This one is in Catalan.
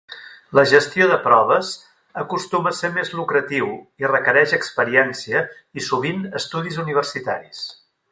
La gestió de proves acostuma a ser més lucratiu i requereix experiència i, sovint, estudis universitaris.